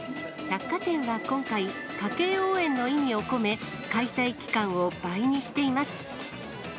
百貨店は今回、家計応援の意味を込め、開催期間を倍にしています。